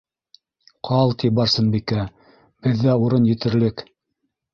Ҡал, - ти Барсынбикә, - беҙҙә урын етерлек.